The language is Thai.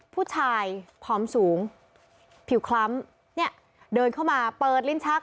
ผู้ชายผอมสูงผิวคล้ำเนี่ยเดินเข้ามาเปิดลิ้นชัก